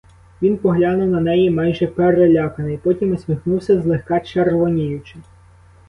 Він поглянув на неї майже переляканий; потім усміхнувся, злегка червоніючи.